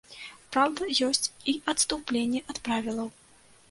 Праўда, ёсць і адступленні ад правілаў.